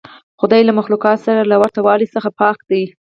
خدای له مخلوقاتو سره له ورته والي څخه پاک دی.